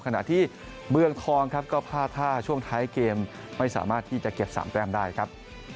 ขณะที่เมืองทองครับก็พลาดท่าช่วงท้ายเกมไม่สามารถที่จะเก็บ๓แต้มได้ครับ